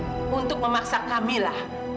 alena untuk memaksa camilla